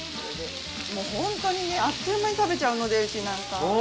もうホントにねあっという間に食べちゃうのでうちなんか。